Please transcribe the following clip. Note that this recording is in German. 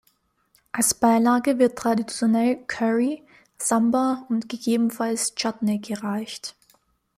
Als Beilage wird traditionell Curry, Sambar und gegebenenfalls Chutney gereicht.